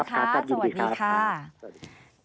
สวัสดีครับ